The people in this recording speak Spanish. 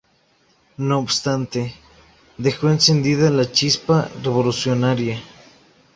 No obstante, dejó encendida la chispa revolucionaria.